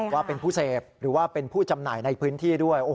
ว่าเป็นผู้เสพหรือว่าเป็นผู้จำหน่ายในพื้นที่ด้วย